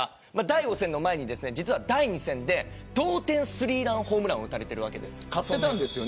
第５戦の前に、実は第２戦で同点スリーランホームランを打たれているわけです。